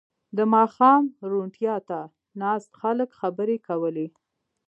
• د ماښام روڼتیا ته ناست خلک خبرې کولې.